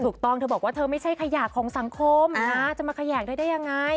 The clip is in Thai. ปองเธอบอกว่าเธอไม่ใช่ขยากของสังคมจะมาขยากได้ยังไง